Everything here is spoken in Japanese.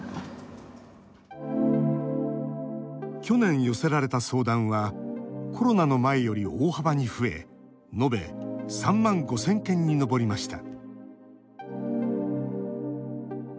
去年、寄せられた相談はコロナの前より大幅に増えのべ３万５０００件に上りました。